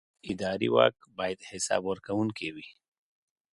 اداري واک باید حساب ورکوونکی وي.